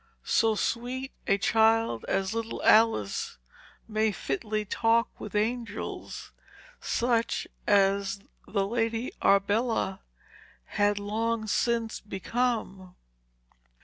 So sweet a child as little Alice may fitly talk with angels, such as the Lady Arbella had long since become.